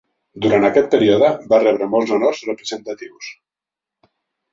Durant aquest període, va rebre molts honors representatius.